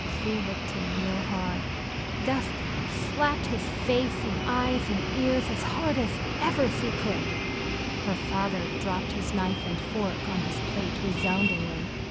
"Thshe licked him real hard—jetht thlapped hith fathe an' eyeth an' earth eth hard eth ever thshe could." Her father dropped his knife and fork on his plate resoundingly.